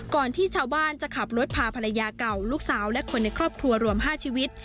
ที่ชาวบ้านจะขับรถพาภรรยาเก่าลูกสาวและคนในครอบครัวรวม๕ชีวิต